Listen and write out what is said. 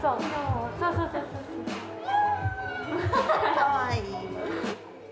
かわいい。